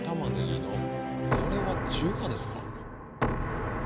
これは中華ですか？